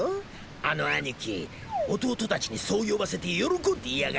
あの兄貴弟たちにそう呼ばせて喜んでいやがんのさ。